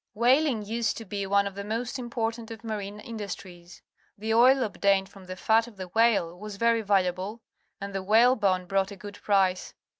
WhaUng used to be one of the most important of marine industries. The oil obtained from the fat of the whale was very valuable, and the whalebone brought a good price.